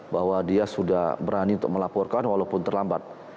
bahwa dia sudah berani untuk melaporkan walaupun terlambat